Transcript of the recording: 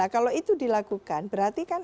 kalau itu dilakukan berarti kan